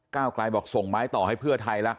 กลายบอกส่งไม้ต่อให้เพื่อไทยละ